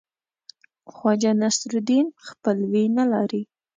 خواجه نصیرالدین خپلوي نه لري.